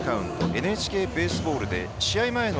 ＮＨＫベースボールで試合前の